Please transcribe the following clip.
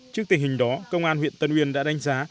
trước tình hình đó công an huyện tân uyên đã đánh giá